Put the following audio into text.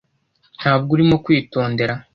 Ntabwo urimo kwitondera.